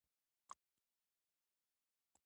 بس خبره خلاصه ده، د وېلو لپاره بل څه شته هم نه.